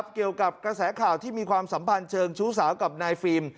เกี่ยวกับกระแสข่าวที่มีความสัมพันธ์เชิงชู้สาวกับนายฟิล์ม